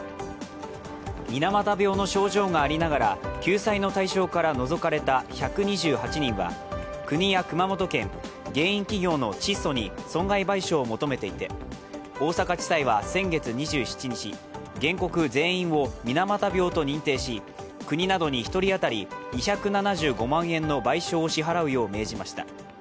水俣病の症状がありながら救済の対象から除かれた１２８人は国や熊本県、原因企業のチッソに損害賠償を求めていて大阪地裁は先月２７日、原告全員を水俣病と認定し国などに１人当たり２７５万円の賠償を支払うよう命じました。